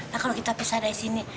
nah kalau kita pisah dari sini